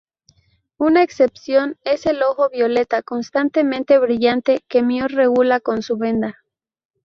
Una excepción es el ojo violeta constantemente brillante que Mio regula con su venda.